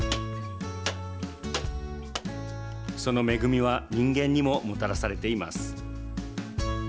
その恵みは、人間にももたらされています。